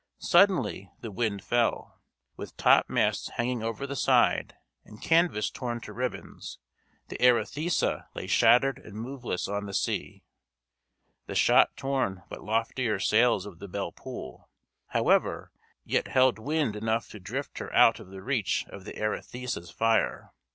Suddenly the wind fell. With topmasts hanging over the side, and canvas torn to ribbons, the Arethusa lay shattered and moveless on the sea. The shot torn but loftier sails of the Belle Poule, however, yet held wind enough to drift her out of the reach of the Arethusa's fire.